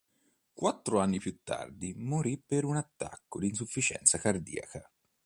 Quattro anni più tardi morì per un attacco di insufficienza cardiaca.